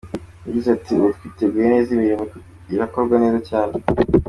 Yagize ati : "Ubu twiteguye neza, imirimo irakorwa neza cyane.